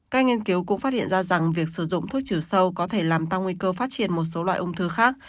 các nghiên cứu cũng phát hiện ra rằng việc sử dụng thuốc trừ sâu có thể làm tăng nguy cơ phát triển một số loại ung thư khác